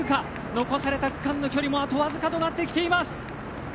残された区間の距離もあとわずかとなってきています。